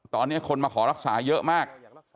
ตอนนี้คนมาขอรักษาเยอะมาก